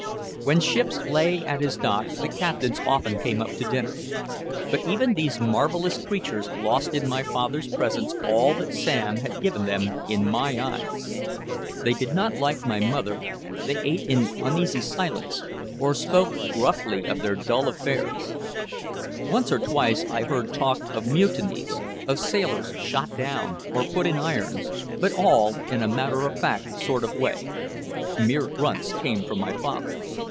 When ships lay at his dock the captains often came up to dinner. But even these marvelous creatures lost in my father's presence all that Sam had given them in my eyes. They did not like my mother, they ate in uneasy silence, or spoke gruffly of their dull affairs. Once or twice I heard talk of mutinies, of sailors shot down or put in irons, but all in a matter of fact sort of way. Mere grunts came from my father.